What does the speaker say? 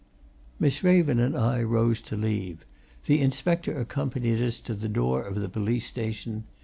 Miss Raven and I rose to leave; the inspector accompanied us to the door of the police station.